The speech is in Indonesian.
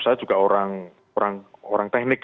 saya juga orang teknik